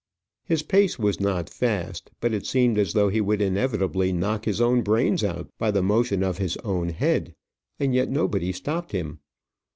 His pace was not fast, but it seemed as though he would inevitably knock his own brains out by the motion of his own head; and yet nobody stopped him.